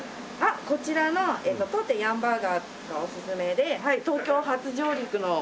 こちらの当店ヤンバーガーがおすすめで東京初上陸の。